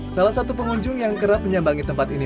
salah satu pengunjung yang kerap menyambangi tempat ini